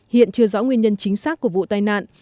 hiện chưa rõ nguyên nhân chính xác của vụ tai nạn